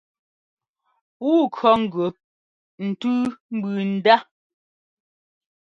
Puu kʉɔ gʉ ntʉ́u mbʉʉ ndá.